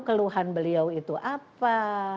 keluhan beliau itu apa